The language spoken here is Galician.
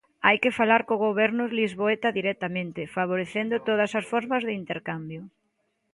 Hai que falar co goberno lisboeta directamente, favorecendo todas as formas de intercambio.